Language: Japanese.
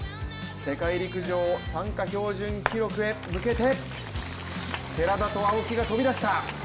世界陸上参加標準記録に向けて寺田と青木が飛びだした。